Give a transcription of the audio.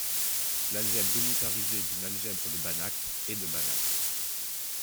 L'algèbre unitarisée d'une algèbre de Banach est de Banach.